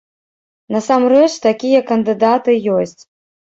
Насамрэч, такія кандыдаты ёсць.